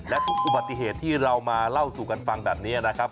และทุกอุบัติเหตุที่เรามาเล่าสู่กันฟังแบบนี้นะครับ